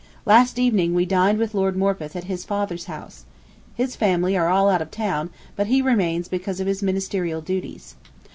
Last evening we dined with Lord Morpeth at his father's house. His family are all out of town, but he remains because of his ministerial duties.